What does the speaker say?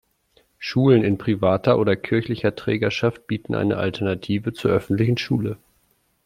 Schulen in privater oder kirchlicher Trägerschaft bieten eine Alternative zur öffentlichen Schule.